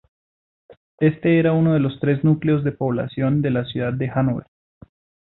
Este era uno de los tres núcleos de población de la ciudad de Hannover.